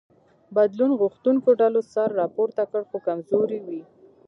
بدلون غوښتونکو ډلو سر راپورته کړ خو کمزوري وې.